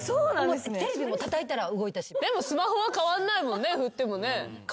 でもスマホは変わんないもんね振ってもね。